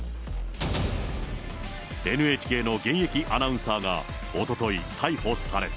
ＮＨＫの現役アナウンサーが、おととい逮捕された。